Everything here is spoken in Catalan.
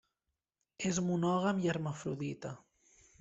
És monògam i hermafrodita.